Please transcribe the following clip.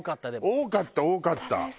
多かった多かった。